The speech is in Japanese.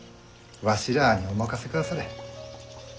わしらあにお任せくだされ。